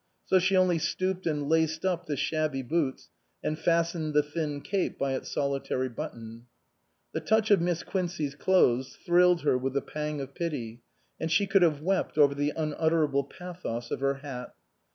So she only stooped and laced up the shabby boots, and fastened the thin cape by its solitary button. The touch of Miss Quincey's clothes thrilled her with a pang of pity, and she could have wept over the unutterable pathos of her hat.